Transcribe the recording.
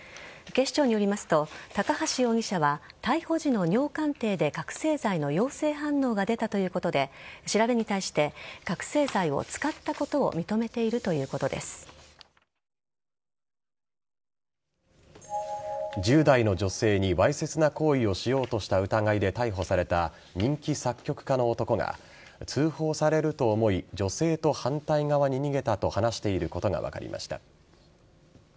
警視庁によりますと高橋容疑者は逮捕時の尿鑑定で覚醒剤の陽性反応が出たということで調べに対して、覚醒剤を使ったことを１０代の女性にわいせつな行為をしようとした疑いで逮捕された人気作曲家の男が通報されると思い女性と反対側に逃げたと話していることが分かりました。